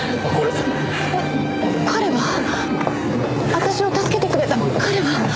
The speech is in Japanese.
私を助けてくれた彼は？